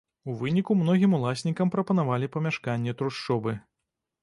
У выніку многім уласнікам прапанавалі памяшканні-трушчобы.